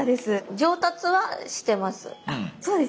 上達はしてます。